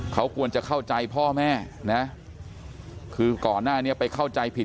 เขาควรจะเข้าใจพ่อแม่นะคือก่อนหน้านี้ไปเข้าใจผิด